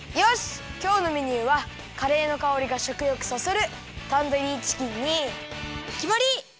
きょうのメニューはカレーのかおりがしょくよくそそるタンドリーチキンにきまり！